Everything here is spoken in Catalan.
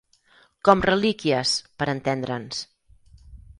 Com relíquies, per entendre'ns.